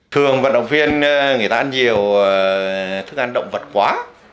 thường vận động viên người ta ăn nhiều thức ăn động vật quá